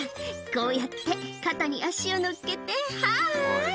「こうやって肩に足を乗っけてハイ！」